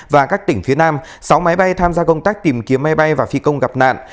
và các tỉnh phía nam sáu máy bay tham gia công tác tìm kiếm máy bay và phi công gặp nạn